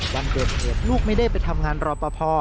วันเกิดเหตุลูกไม่ได้ไปทำงานรอปภ